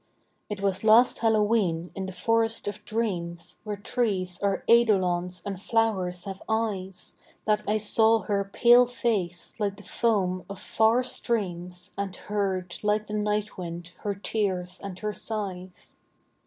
It was last Hallowe'en in the forest of dreams, Where trees are eidolons and flowers have eyes, That I saw her pale face like the foam of far streams, And heard, like the night wind, her tears and her sighs.